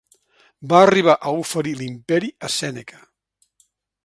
Va arribar a oferir l'imperi a Sèneca.